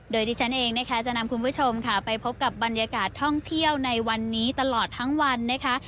โดยที่ฉันเองนะคะจะนำคุณผู้ชมค่ะไปพบกับบรรยากาศท่องเที่ยวในวันนี้ตลอดทั้งวันนะคะ